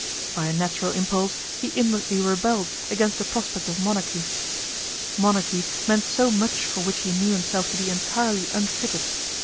By a natural impulse he inwardly rebelled against the prospect of monarchy. Monarchy meant so much for which he knew himself to be entirely unfitted.